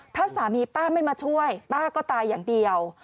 ถ้าสามีป้าไม่มาช่วยป้าก็ตายอย่างเดียว